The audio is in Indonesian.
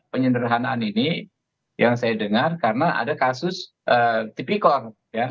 penyederhanaan ini yang saya dengar karena ada kasus tipikor